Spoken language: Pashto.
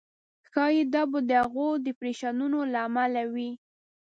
ښایي دا به د هغو ډېپریشنونو له امله وي.